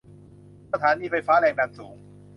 สถานีไฟฟ้าแรงสูง